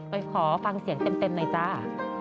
ไปขอฟังเสียงเต็มหน่อยจ้า